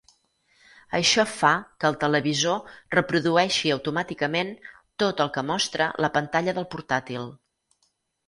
Això fa que el televisor reprodueixi automàticament tot el que mostra la pantalla del portàtil.